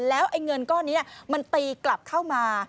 แล้วไอ้เงินก้อนนี้มันตีกลับเข้ามา